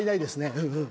うんうん。